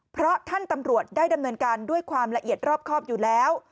เพราะท่านตำรวจได้ดำเนินการด้วยความละเอียดรอบครอบอยู่แล้ว